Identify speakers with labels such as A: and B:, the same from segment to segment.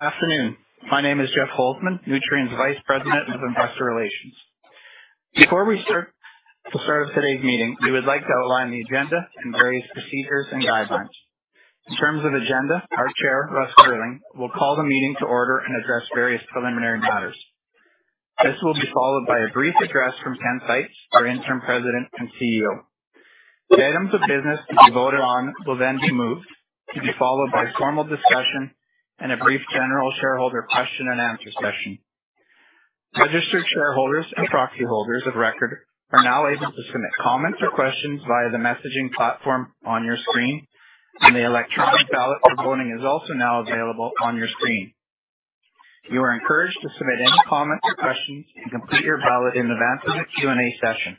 A: Afternoon. My name is Jeff Holzman, Nutrien's Vice President of Investor Relations. Before we start today's meeting, we would like to outline the agenda and various procedures and guidelines. In terms of agenda, our Chair, Russ Girling, will call the meeting to order and address various preliminary matters. This will be followed by a brief address from Ken Seitz, our Interim President and CEO. The items of business to be voted on will then be moved, to be followed by formal discussion and a brief general shareholder question and answer session. Registered shareholders and proxy holders of record are now able to submit comments or questions via the messaging platform on your screen, and the electronic ballot for voting is also now available on your screen. You are encouraged to submit any comments or questions and complete your ballot in advance of the Q&A session.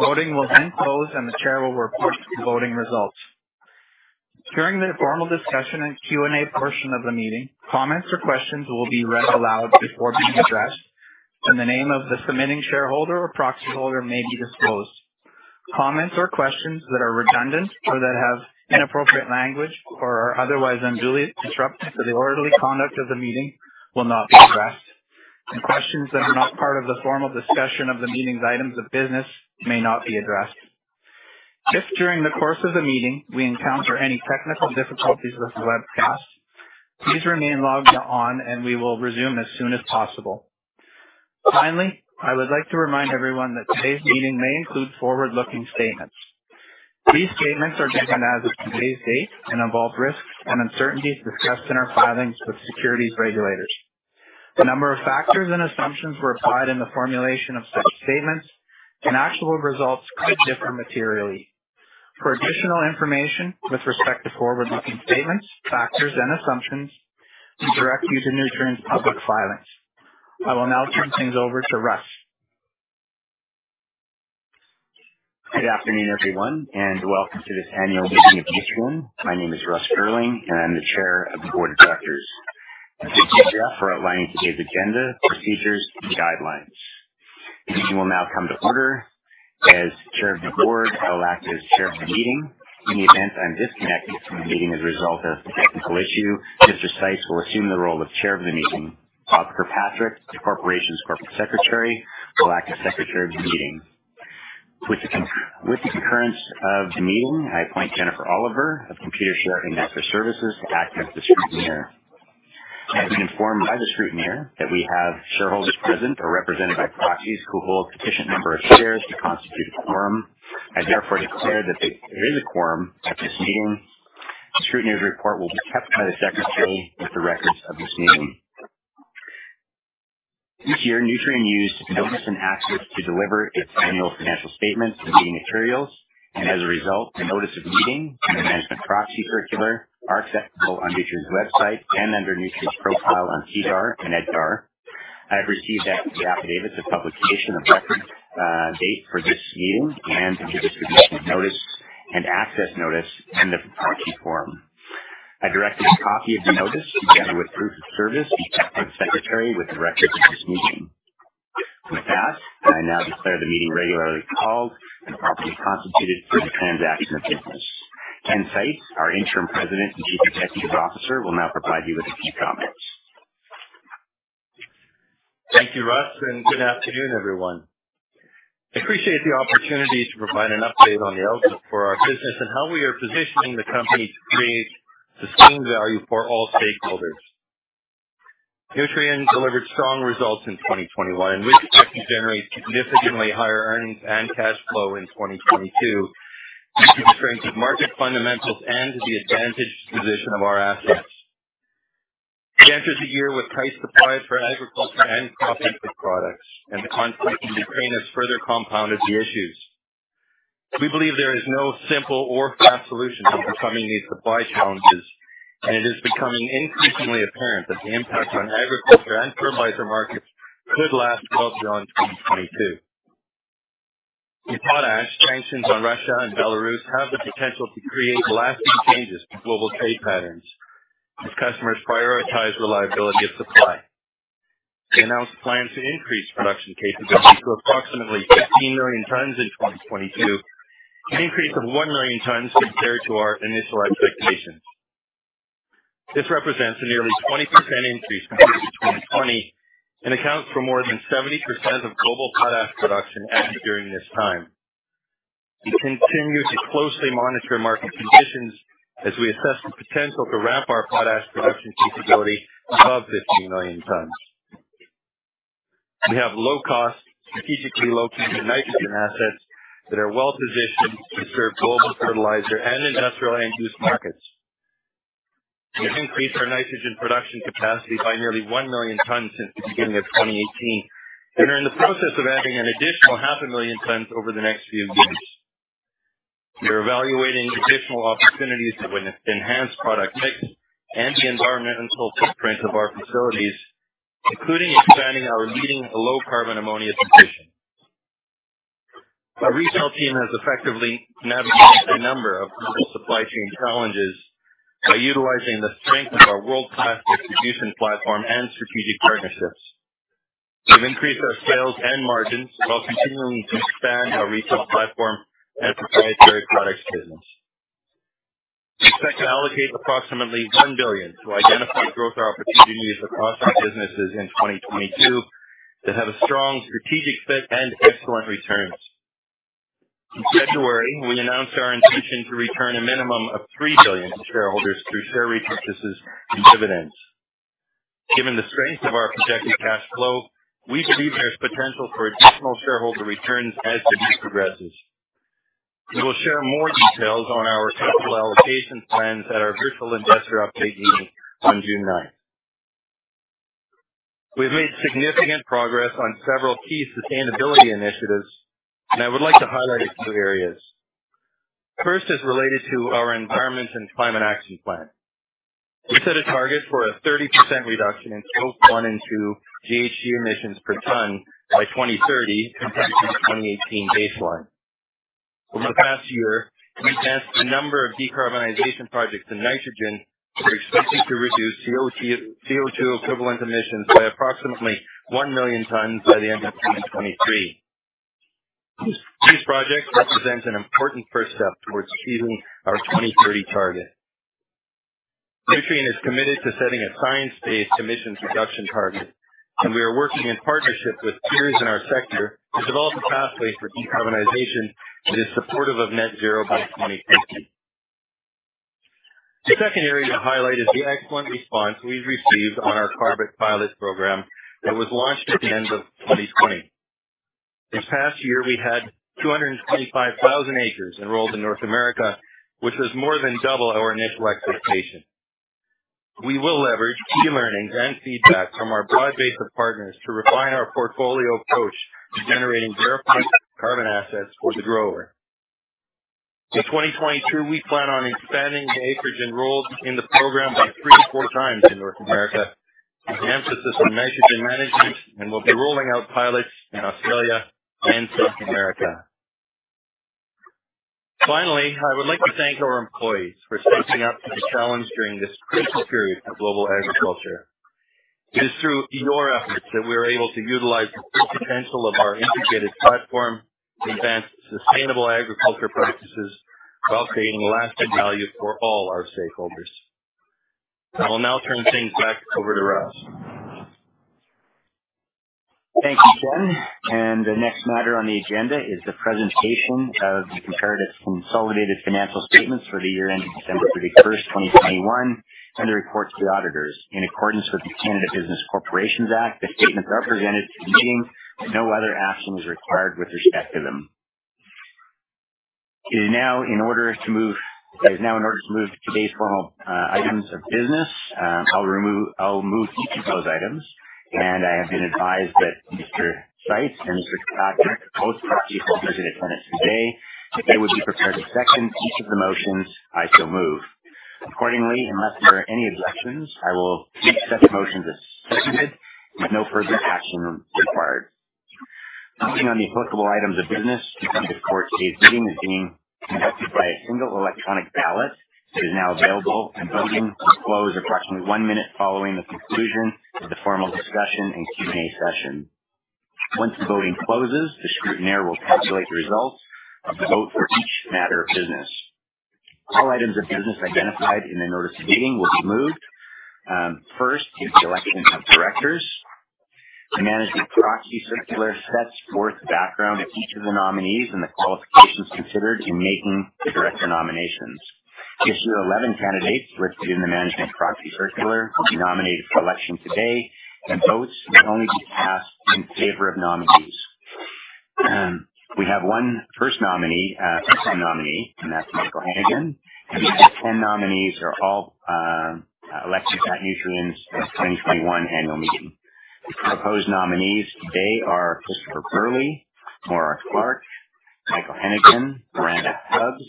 A: Voting will then close, and the chair will report the voting results. During the formal discussion and Q&A portion of the meeting, comments or questions will be read aloud before being addressed, and the name of the submitting shareholder or proxyholder may be disclosed. Comments or questions that are redundant or that have inappropriate language or are otherwise unduly disruptive to the orderly conduct of the meeting will not be addressed. Questions that are not part of the formal discussion of the meeting's items of business may not be addressed. If, during the course of the meeting we encounter any technical difficulties with the webcast, please remain logged on, and we will resume as soon as possible. Finally, I would like to remind everyone that today's meeting may include forward-looking statements. These statements are given as of today's date and involve risks and uncertainties discussed in our filings with securities regulators. A number of factors and assumptions were applied in the formulation of such statements, and actual results could differ materially. For additional information with respect to forward-looking statements, factors, and assumptions, we direct you to Nutrien's public filings. I will now turn things over to Russ.
B: Good afternoon, everyone, and welcome to this annual meeting of Nutrien. My name is Russ Girling, and I'm the Chair of the Board of Directors. Thank you, Jeff, for outlining today's agenda, procedures, and guidelines. The meeting will now come to order. As Chair of the Board, I will act as chair of the meeting. In the event I'm disconnected from the meeting as a result of a technical issue, Mr. Seitz will assume the role of chair of the meeting. Robert A. Kirkpatrick, the corporation's Corporate Secretary, will act as secretary of the meeting. With the concurrence of the meeting, I appoint Jennifer Oliver of Computershare Investor Services to act as the scrutineer. I've been informed by the scrutineer that we have shareholders present or represented by proxies who hold sufficient number of shares to constitute a quorum. I therefore declare that there is a quorum at this meeting. The scrutineer's report will be kept by the secretary with the records of this meeting. Each year, Nutrien used Notice and Access to deliver its annual financial statements and meeting materials, and as a result, the notice of meeting and the management proxy circular are accessible on Nutrien's website and under Nutrien's profile on SEDAR and EDGAR. I have received the affidavits of publication of record, date for this year, and the distribution of notice and access notice and the proxy form. I directed a copy of the notice, together with proof of service from the secretary with the records of this meeting. With that, I now declare the meeting regularly called and properly constituted for the transaction of business. Ken Seitz, our Interim President and Chief Executive Officer, will now provide you with a few comments.
C: Thank you, Russ, and good afternoon, everyone. I appreciate the opportunity to provide an update on the outlook for our business and how we are positioning the company to create sustained value for all stakeholders. Nutrien delivered strong results in 2021 and we expect to generate significantly higher earnings and cash flow in 2022 due to the strength of market fundamentals and the advantaged position of our assets. We entered the year with tight supply for agriculture and processing products, and the conflict in Ukraine has further compounded the issues. We believe there is no simple or fast solution to overcoming these supply challenges, and it is becoming increasingly apparent that the impact on agriculture and fertilizer markets could last well beyond 2022. In potash, sanctions on Russia and Belarus have the potential to create lasting changes to global trade patterns as customers prioritize reliability of supply. We announced a plan to increase production capability to approximately 15 million tons in 2022, an increase of one million tons compared to our initial expectations. This represents a nearly 20% increase compared to 2020 and accounts for more than 70% of global potash production during this time. We continue to closely monitor market conditions as we assess the potential to ramp our potash production capability above 15 million tons. We have low cost, strategically located nitrogen assets that are well-positioned to serve global fertilizer and industrial end-use markets. We have increased our nitrogen production capacity by nearly one million tons since the beginning of 2018 and are in the process of adding an additional half a million tons over the next few years. We are evaluating additional opportunities to enhance product mix and the environmental footprint of our facilities, including expanding our leading low-carbon ammonia position. Our retail team has effectively navigated a number of global supply chain challenges by utilizing the strength of our world-class execution platform and strategic partnerships. We've increased our sales and margins while continuing to expand our retail platform and proprietary products business. We expect to allocate approximately $1 billion to identify growth opportunities across our businesses in 2022 that have a strong strategic fit and excellent returns. In February, we announced our intention to return a minimum of $3 billion to shareholders through share repurchases and dividends. Given the strength of our projected cash flow, we believe there's potential for additional shareholder returns as the year progresses. We will share more details on our capital allocation plans at our virtual investor update meeting on June ninth. We've made significant progress on several key sustainability initiatives, and I would like to highlight a few areas. First is related to our environment and climate action plan. We set a target for a 30% reduction in scope one and two GHG emissions per ton by 2030 compared to the 2018 baseline. Over the past year, we've advanced a number of decarbonization projects in nitrogen that are expected to reduce CO2-equivalent emissions by approximately one million tons by the end of 2023. These projects represent an important first step towards achieving our 2030 target. Nutrien is committed to setting a science-based emissions reduction target, and we are working in partnership with peers in our sector to develop a pathway for decarbonization that is supportive of net-zero by 2050. The second area to highlight is the excellent response we've received on our carbon pilot program that was launched at the end of 2020. This past year, we had 225,000 acres enrolled in North America, which is more than double our initial expectation. We will leverage key learnings and feedback from our broad base of partners to refine our portfolio approach to generating verifiable carbon assets for the grower. In 2022, we plan on expanding the acreage enrolled in the program by three to four times in North America, enhance the system measures and management, and we'll be rolling out pilots in Australia and South America. Finally, I would like to thank our employees for stepping up to the challenge during this critical period of global agriculture. It is through your efforts that we are able to utilize the full potential of our integrated platform to advance sustainable agriculture practices while creating lasting value for all our stakeholders. I will now turn things back over to Russ Girling.
B: Thank you, Ken. The next matter on the agenda is the presentation of the comparative consolidated financial statements for the year ending December 31st, 2021, and the report of the auditors. In accordance with the Canada Business Corporations Act, the statements are presented to the meeting, and no other action is required with respect to them. It is now in order to move to today's formal items of business. I'll move each of those items. I have been advised that Mr. Seitz and Mr. Kotak, both proxy holders and attendees today, they would be prepared to second each of the motions I so move. Accordingly, unless there are any objections, I will take such motions as seconded with no further action required. Voting on the applicable items of business presented for today's meeting is being conducted by a single electronic ballot that is now available, and voting will close approximately one minute following the conclusion of the formal discussion and Q&A session. Once the voting closes, the scrutineer will calculate the results of the vote for each matter of business. All items of business identified in the notice of meeting will be moved. First is the election of directors. The management proxy circular sets forth the background of each of the nominees and the qualifications considered in making the director nominations. Election of 11 candidates listed in the management proxy circular will be nominated for election today, and votes may only be cast in favor of nominees. We have our first nominee, our second nominee, and that's Michael Hennigan. The other 10 nominees are all elected at Nutrien's 2021 annual meeting. The proposed nominees today are Christopher Burley, Maura Clark, Michael Hennigan, Miranda Hubbs,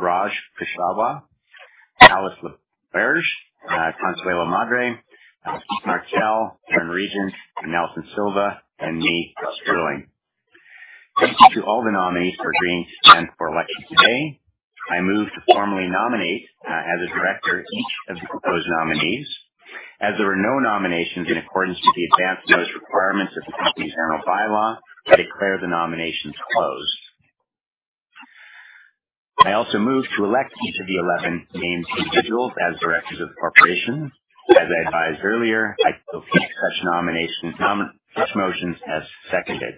B: Raj Kushwaha, Alice Laberge, Consuelo Madere, Keith Martell, Aaron Regent, Nelson Silva, and me, Russ Girling. Thank you to all the nominees for agreeing to stand for election today. I move to formally nominate as a director each of the proposed nominees. As there are no nominations in accordance with the advance notice requirements of the company's annual bylaw, I declare the nominations closed. I also move to elect each of the 11 named individuals as directors of the corporation. As I advised earlier, I still keep such motions as seconded.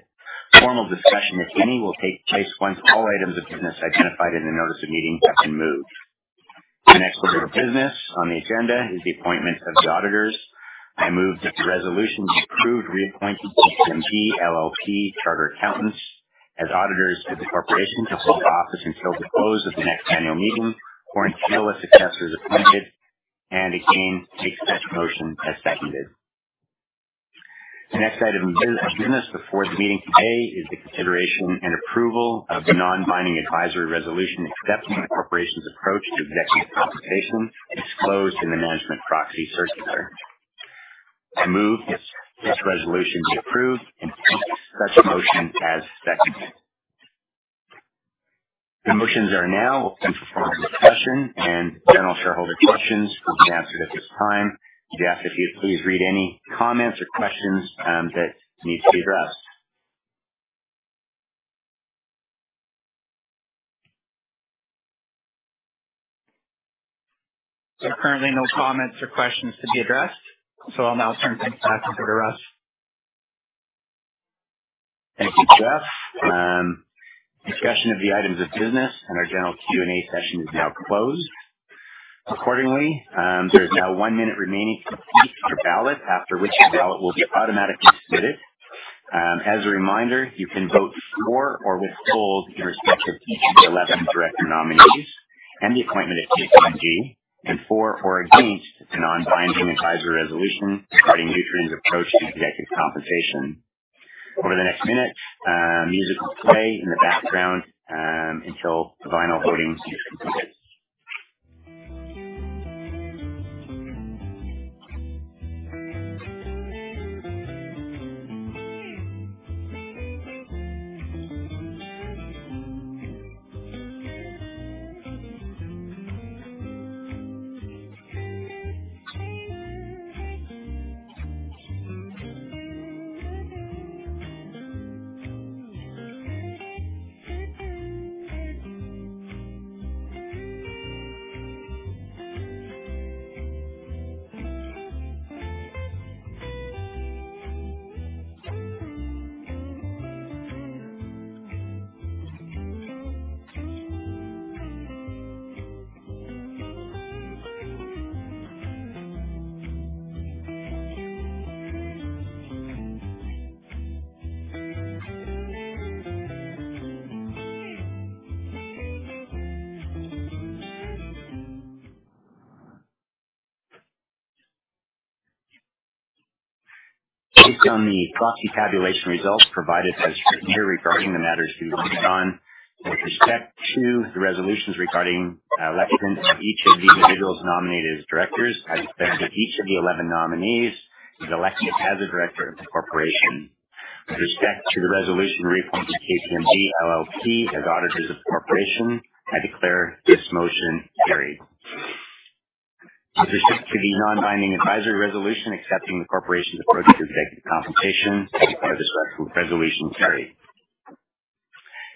B: Formal discussion, if any, will take place once all items of business identified in the notice of meeting have been moved. The next order of business on the agenda is the appointment of the auditors. I move that the resolution to approve reappointing KPMG LLP chartered accountants as auditors of the corporation to hold office until the close of the next annual meeting or until a successor is appointed, and again take such motion as seconded. The next item of business before the meeting today is the consideration and approval of the non-binding advisory resolution accepting the corporation's approach to executive compensation as disclosed in the management proxy circular. I move that this resolution be approved and take such motion as seconded. The motions are now open for formal discussion and general shareholder questions will be answered at this time. Jeff, if you'd please read any comments or questions that need to be addressed.
A: There are currently no comments or questions to be addressed, so I'll now turn things back over to Russ.
B: Thank you, Jeff. Discussion of the items of business and our general Q&A session is now closed. Accordingly, there is now one minute remaining to complete your ballot, after which your ballot will be automatically submitted. As a reminder, you can vote for or withhold in respect of each of the 11 director nominees and the appointment of KPMG and for or against the non-binding advisory resolution regarding Nutrien's approach to executive compensation. Over the next minute, music will play in the background until the final voting is completed. Based on the proxy tabulation results provided by Computershare regarding the matters to be voted on with respect to the resolutions regarding election of each of the individuals nominated as directors, I declare that each of the 11 nominees is elected as a director of the corporation. With respect to the resolution reappointing KPMG LLP as auditors of the corporation, I declare this motion carried. With respect to the non-binding advisory resolution accepting the corporation's approach to executive compensation, I declare this resolution carried.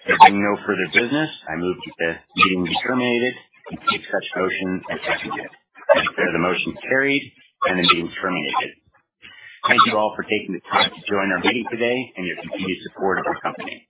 B: There being no further business, I move that the meeting be terminated and declare such motion as seconded. I declare the motion carried and the meeting terminated. Thank you all for taking the time to join our meeting today and your continued support of our company.